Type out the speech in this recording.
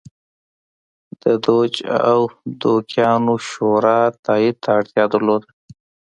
د دوج او دوکیانو شورا تایید ته اړتیا درلوده